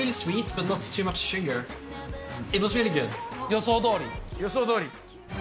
予想どおり。予想どおり？